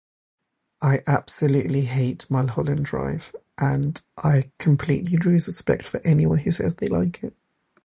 I absolutely hate Mulholland Drive, and I completely drew suspect for anyone who says they like it.